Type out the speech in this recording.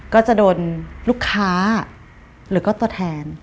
ก็จะโดนลูกค้าหรือก็ตัวแทน